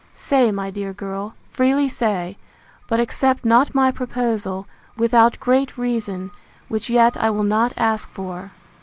Say, my dear girl, freely say; but accept not my proposal, without great reason, which yet I will not ask for.